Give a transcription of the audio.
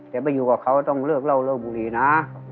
ไปอยู่กับเขาต้องเลิกเล่าเลิกบุรีนะ